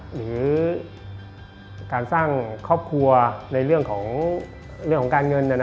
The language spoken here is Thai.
หรือการสร้างครอบครัวในเรื่องของการเงิน